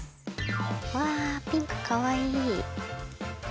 わあピンクかわいい。